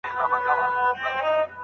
نو اغېز یې ډېر وي.